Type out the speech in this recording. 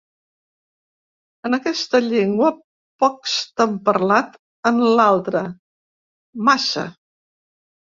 En aquesta llengua pocs t'han parlat, en l'altra, massa.